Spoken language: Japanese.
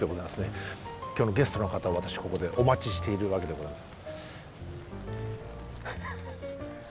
今日のゲストの方私ここでお待ちしているわけでございます。